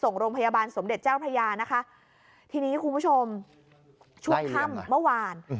ส่งโรงพยาบาลสมเด็จเจ้าพระยานะคะทีนี้คุณผู้ชมช่วงค่ำเมื่อวาน